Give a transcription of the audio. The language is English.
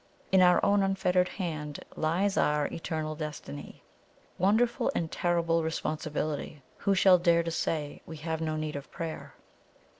In our own unfettered hand lies our eternal destiny. Wonderful and terrible responsibility! Who shall dare to say we have no need of prayer?"